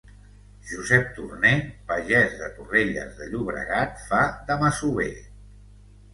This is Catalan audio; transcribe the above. Josep Torner, pagès de Torrelles de Llobregat fa de masover.